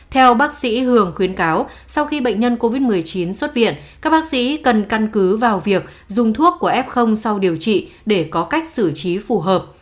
theo bác sĩ hường khuyến cáo sau khi bệnh nhân covid một mươi chín xuất viện các bác sĩ cần căn cứ vào việc dùng thuốc của f sau điều trị để có cách xử trí phù hợp